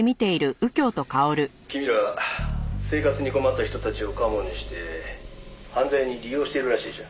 「君ら生活に困った人たちをカモにして犯罪に利用しているらしいじゃん」